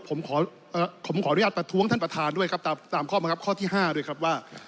ผมขอผมขออนุญาตประท้วงท่านประธานด้วยครับตามข้อบังคับข้อที่๕ด้วยครับว่า